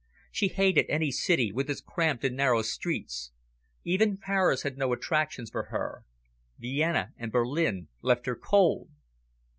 She hated any city, with its cramped and narrow streets. Even Paris had no attractions for her. Vienna and Berlin left her cold.